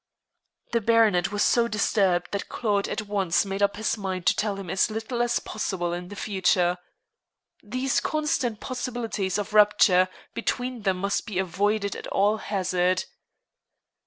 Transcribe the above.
The baronet was so disturbed that Claude at once made up his mind to tell him as little as possible in the future. These constant possibilities of rupture between them must be avoided at all hazard.